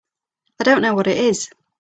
I don't know what it is.